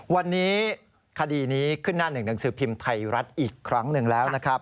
วันนี้คดีนี้ขึ้นหน้าหนึ่งหนังสือพิมพ์ไทยรัฐอีกครั้งหนึ่งแล้วนะครับ